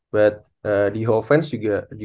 but di offense juga